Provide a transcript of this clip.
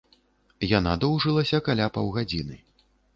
Яна доўжылася каля паўгадзіны.